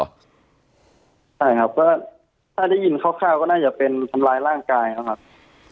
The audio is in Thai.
ใช่ครับก็ถ้าได้ยินคร่าวก็น่าจะเป็นทำร้ายร่างกายเขาครับ